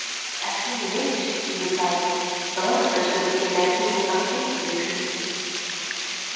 At any rate, he replied, philosophers would say that he was not speaking the truth.